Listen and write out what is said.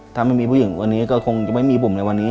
ถ้าไม่มีผู้หญิงคนนี้ก็คงจะไม่มีผมในวันนี้